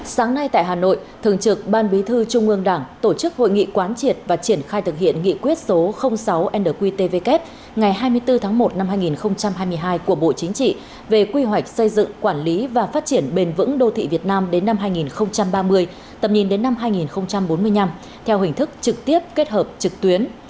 sáng nay tại hà nội thường trực ban bí thư trung ương đảng tổ chức hội nghị quán triệt và triển khai thực hiện nghị quyết số sáu nqtvk ngày hai mươi bốn tháng một năm hai nghìn hai mươi hai của bộ chính trị về quy hoạch xây dựng quản lý và phát triển bền vững đô thị việt nam đến năm hai nghìn ba mươi tầm nhìn đến năm hai nghìn bốn mươi năm theo hình thức trực tiếp kết hợp trực tuyến